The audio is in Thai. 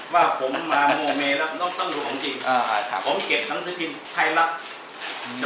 ว่าผมมาโมเมแล้วน้องต้องดูผมจริงผมเก็บทางสิทธินไทยลักษณ์